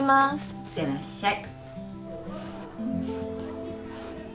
いってらっしゃい。